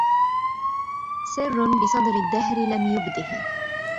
سِرٌّ بصدر الدهرِ لم يُبده